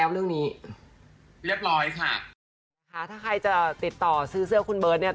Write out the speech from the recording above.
เรียบร้อยค่ะ